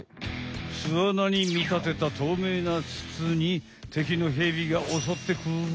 すあなにみたてたとうめいなつつに敵のヘビがおそってくる。